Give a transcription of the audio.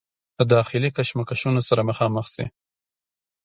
د داخلي کشمکشونو سره مخامخ شي